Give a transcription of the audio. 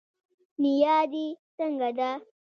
نيا دي څنګه ده